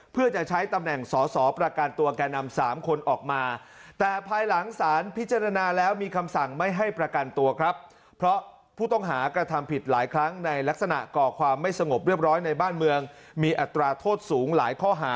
เพื่อจะใช้ตำแหน่งศาสตร์ประกันตัวแก่นำ๓คนออกมา